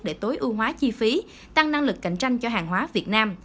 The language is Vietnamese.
để tối ưu hóa chi phí tăng năng lực cạnh tranh cho hàng hóa việt nam